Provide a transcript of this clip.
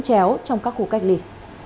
chéo trong các khu cách ly